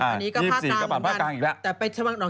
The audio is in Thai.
อาชีพที่แบบว่าคนกลับตามองมั้ง